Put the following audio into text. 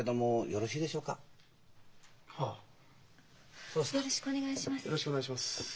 よろしくお願いします。